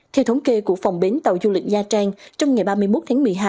theo thống kê của phòng bến tàu du lịch nha trang trong ngày ba mươi một tháng một mươi hai